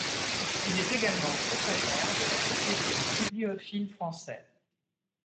Il est également secrétaire de la Société des bibliophiles français.